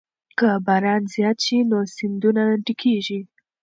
که باران زیات شي نو سیندونه ډکېږي.